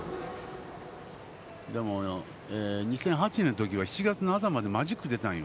２００８年のときは、７月の頭でマジック出たんよ。